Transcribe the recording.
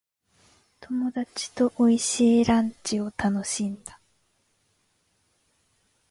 友達と美味しいランチを楽しんだ。